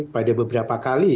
pada beberapa kali